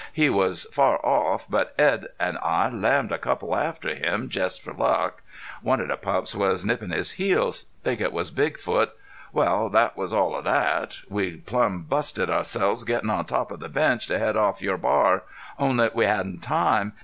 He was far off, but Edd an' I lammed a couple after him jest for luck. One of the pups was nippin' his heels. Think it was Big Foot.... Wal, thet was all of thet. We plumb busted ourselves gettin' on top of the bench to head off your bar. Only we hadn't time.